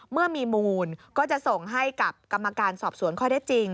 เมื่อมีมูลก็จะส่งให้กับกรรมการสอบสวนข้อได้จริง